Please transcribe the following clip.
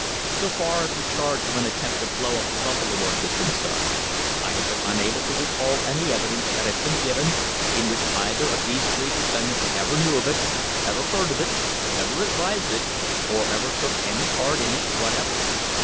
So far as the charge of an attempt to blow up the Buffalo Works is concerned, I have been unable to recall any evidence that has been given in which either of these three defendants ever knew of it, ever heard of it, ever advised it, or ever took any part in it whatever.